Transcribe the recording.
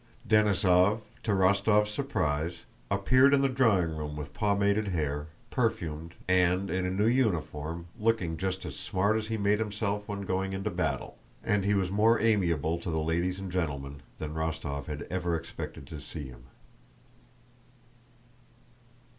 Denísov, to Rostóv's surprise, appeared in the drawing room with pomaded hair, perfumed, and in a new uniform, looking just as smart as he made himself when going into battle, and he was more amiable to the ladies and gentlemen than Rostóv had ever expected to see him.